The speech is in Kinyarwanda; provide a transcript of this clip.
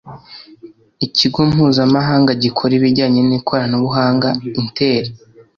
Ikigo mpuzamahanga gikora ibijyanye n’ikoranabuhanga “Intel”